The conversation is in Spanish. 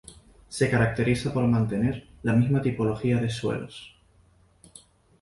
Se caracteriza por mantener la misma tipología de suelos.